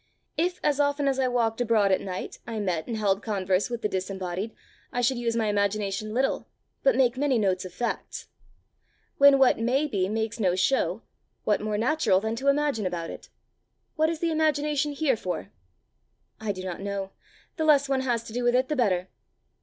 If, as often as I walked abroad at night, I met and held converse with the disembodied, I should use my imagination little, but make many notes of facts. When what may be makes no show, what more natural than to imagine about it? What is the imagination here for?" "I do not know. The less one has to do with it the better."